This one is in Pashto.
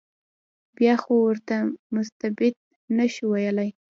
بیا خو ورته مستبد نه شو ویلای.